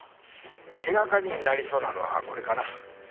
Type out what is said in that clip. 手がかりになりそうなのはこれかな。